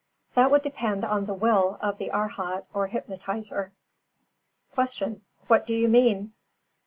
That would depend on the will of the Arhat or hypnotiser. 359. Q. _What do you mean?